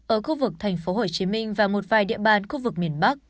ở khu vực tp hcm và một vài địa bàn khu vực miền bắc